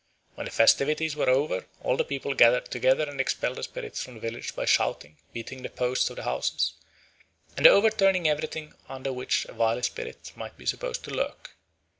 When the festivities were over, all the people gathered together and expelled the spirits from the village by shouting, beating the posts of the houses, and overturning everything under which a wily spirit might be supposed to lurk.